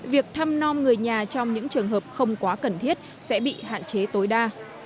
việc thăm non người nhà trong những trường hợp không quá cần thiết sẽ bị hạn chế tối đa